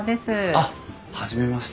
あっ初めまして。